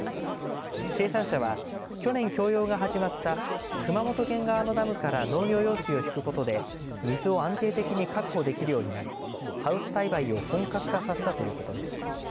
生産者は、去年供用が始まった熊本県側のダムから農業用水を引くことで水を安定的に確保できるようになりハウス栽培を本格化させたということです。